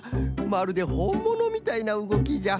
まるでほんものみたいなうごきじゃ。